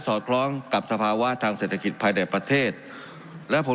อดคล้องกับสภาวะทางเศรษฐกิจภายในประเทศและผม